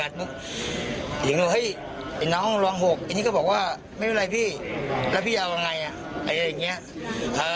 อย่างน้องลองหกอันนี้ก็บอกว่าไม่เป็นไรพี่แล้วพี่เอาอะไรอ่ะ